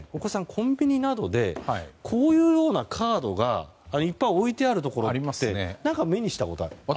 コンビニなどでこういうカードがいっぱい置いてあるところって何か目にしたことありますか？